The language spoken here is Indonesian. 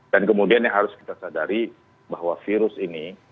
dan kemudian yang harus kita sadari bahwa virus ini